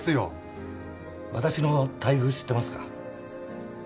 私の待遇知ってますか？